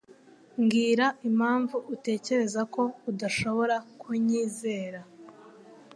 Mbwira impamvu utekereza ko udashobora kunyizera.